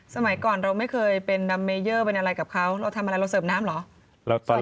สมัยก่อนเราไม่เคยเป็นดัมเมเยอร์เป็นอะไรกับเขาเราทำอะไรเราเสิร์ฟน้ำเหรอ